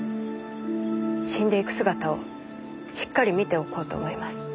死んでいく姿をしっかり見ておこうと思います。